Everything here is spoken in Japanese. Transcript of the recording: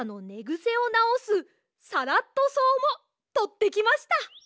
ぐせをなおすサラットそうもとってきました。